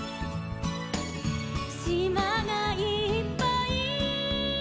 「しまがいっぱい」